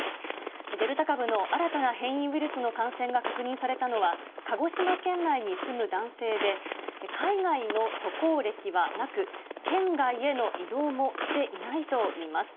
デルタ株の新たな変異ウイルスの感染が確認されたのは、鹿児島県内に住む男性で、海外の渡航歴はなく、県外への移動もしていないといいます。